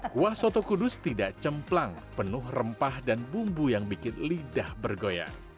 kuah soto kudus tidak cemplang penuh rempah dan bumbu yang bikin lidah bergoyang